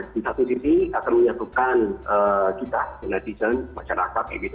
di satu sisi akan menyatukan kita penelitian masyarakat